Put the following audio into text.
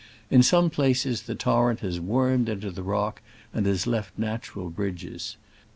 In some places the torrent has wormed into the rock, and has left nat ural bridges.